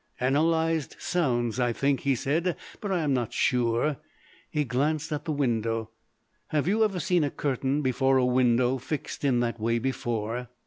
"Analysed sounds," I think he said, but I am not sure. He glanced at the window. "Have you ever seen a curtain before a window fixed in that way before?"